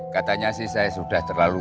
katanya sih saya sudah terlalu